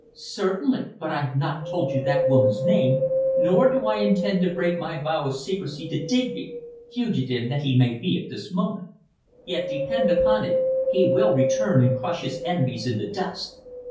"Certainly. But I have not told you that woman's name, nor do I intend to break my vow of secrecy to Digby fugitive that he may be at this moment. Yet, depend upon it, he will return and crush his enemies in the dust."